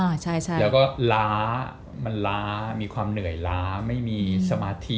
ใช่ใช่แล้วก็ล้ามันล้ามีความเหนื่อยล้าไม่มีสมาธิ